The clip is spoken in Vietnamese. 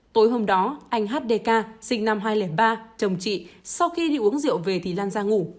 tối hôm đó anh h d k sinh năm hai nghìn ba chồng chị sau khi đi uống rượu về thì lan ra ngủ